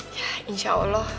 ya insya allah